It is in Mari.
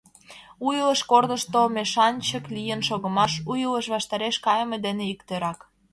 У илыш корнышто мешанчык лийын шогымаш — у илыш ваштареш кайыме дене иктӧрак.